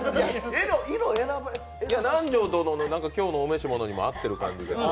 南條殿の今日のお召し物にも合っている感じが。